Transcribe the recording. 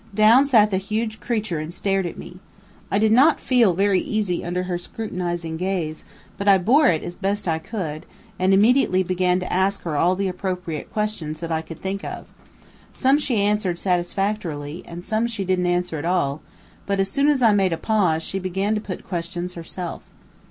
Down sat the huge creature and stared at me. I did not feel very easy under her scrutinizing gaze, but I bore it as best I could, and immediately began to ask her all the appropriate questions that I could think of. Some she answered satisfactorily, and some she didn't answer at all; but as soon as I made a pause, she began to put questions herself.